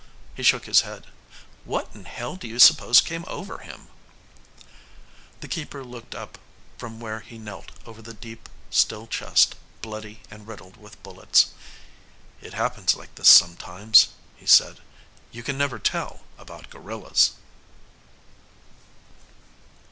He shook his head. "What in hell do you suppose came over him?" The keeper looked up from where he knelt over the deep, still chest, bloody and riddled with bullets. "It happens like this sometimes," he said. "You can never tell about gorillas."